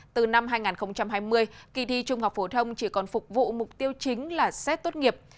từ năm hai nghìn hai mươi kỳ thi trung học phổ thông chỉ còn phục vụ mục tiêu chính là xét tốt nghiệp